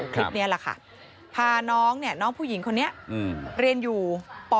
คลิปนี้แหละค่ะพาน้องน้องผู้หญิงคนนี้เรียนอยู่ป๔